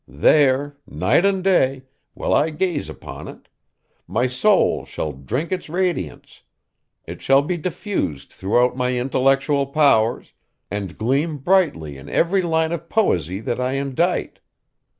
There, night and day, will I gaze upon it; my soul shall drink its radiance; it shall be diffused throughout my intellectual powers, and gleam brightly in every line of poesy that I indite.